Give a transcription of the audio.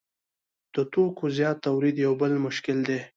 د توکو زیات تولید یو بل مشکل دی